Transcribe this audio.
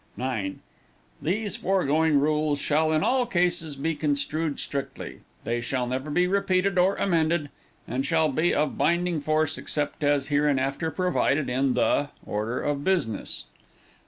9. These foregoing rules shall in all cases be construed strictly, they shall never be repealed or amended; and shall be of binding force, except as hereinafter provided in the ORDER OF BUSINESS.